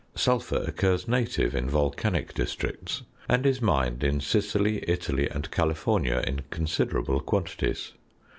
Sulphur occurs native in volcanic districts, and is mined in Sicily, Italy, and California in considerable quantities.